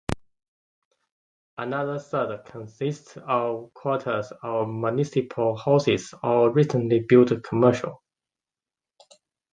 Another third consists of quarters of municipal houses or recently built commercial.